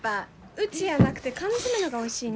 うちやなくて缶詰のがおいしいの。